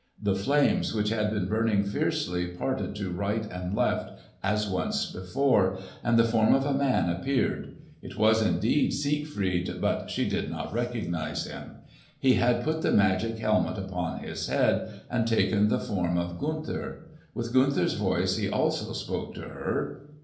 The flames which had been burning fiercely parted to right and left, as once before, and the form of a man appeared. It was indeed Siegfried, but she did not recognise him. He had put the magic helmet upon his head and taken the form of Gunther. With Gunther's voice he also spoke to her.